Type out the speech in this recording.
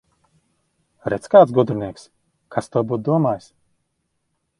Redz, kāds gudrinieks! Kas to būtu domājis!